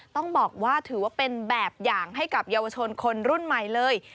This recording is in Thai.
ต้องบอกว่าถือว่าเป็นแบบอย่างให้กับเยาวชนคนรุ่นใหม่เลย